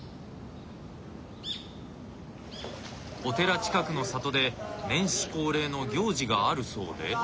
お寺近くの里で年始恒例の行事があるそうで。